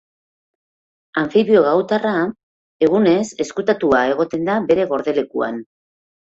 Anfibio gautarra, egunez ezkutatua egoten da bere gordelekuan.